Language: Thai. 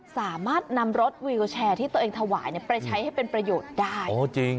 สามารถนำรถวิวแชร์ที่ตัวเองถวายไปใช้ให้เป็นประโยชน์ได้